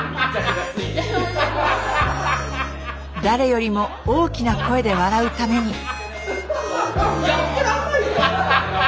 誰よりも大きな声で笑うために！